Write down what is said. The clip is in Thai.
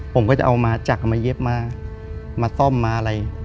ผมก็จะเอามาจากเอามาเย็บมามาซ่อมมาอะไร